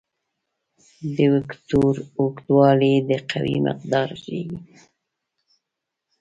د وکتور اوږدوالی د قوې مقدار ښيي.